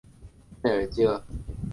贝尔济厄人口变化图示